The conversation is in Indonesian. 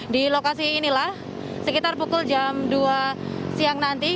di lokasi inilah sekitar pukul jam dua siang nanti